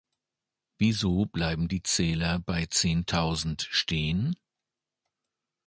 Wieso bleiben die Zähler bei zehntausend stehen?